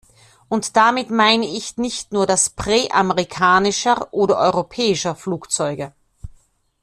Und damit meine ich nicht das Prä amerikanischer oder europäischer Flugzeuge.